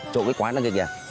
chỗ cái quán đằng kia kìa